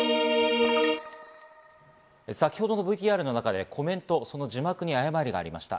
先ほどのＶＴＲの中で、コメント字幕に誤りがありました。